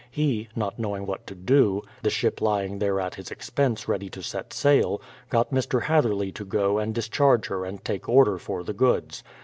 He, not knowing what to do, the ship lying there at his expense ready to set sail, got Mr. Hathcrlcy to go and discharge her and take order for the goods.